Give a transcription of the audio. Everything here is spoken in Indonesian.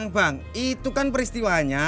bang itu kan peristiwanya